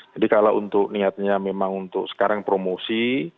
jadi kalau untuk niatnya memang untuk sekarang promosi